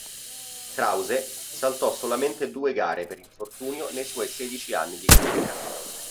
Krause saltò solamente due gare per infortunio nei suoi sedici anni di carriera.